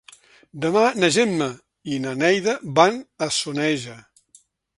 Demà na Gemma i na Neida van a Soneja.